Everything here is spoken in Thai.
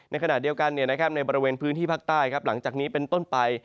ในขณะเดียวกันในบริเวณพื้นที่ภาคใต้หลังจากนี้เป็นต้นไป